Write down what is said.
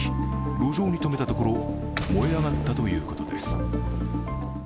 路上に止めたところ燃え上がったということです。